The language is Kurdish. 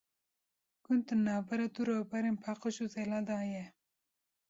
Gund navbera du robarên paqij û zelal da ye.